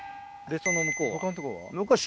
でその向こうは？